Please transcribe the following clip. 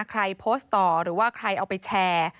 ใครโพสต์ต่อหรือว่าใครเอาไปแชร์